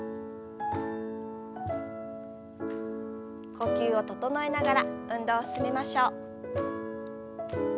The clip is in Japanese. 呼吸を整えながら運動を進めましょう。